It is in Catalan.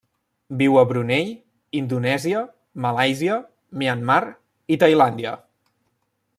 Viu a Brunei, Indonèsia, Malàisia, Myanmar i Tailàndia.